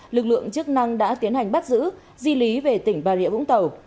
lực lượng chức năng đã tiến hành bắt giữ di lý về tỉnh bà rịa vũng tàu